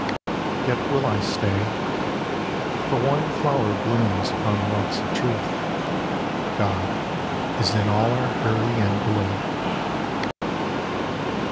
... Yet will I stay. For one flower blooms upon the rocks of truth, God is in all our hurry and delay.